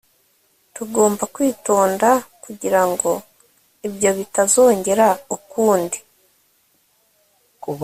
tugomba kwitonda kugirango ibyo bitazongera ukundi. (ck